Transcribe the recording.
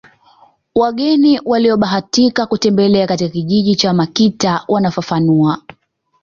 Wageni waliobahatika kutembelea katika kijiji cha Makita wanafafanua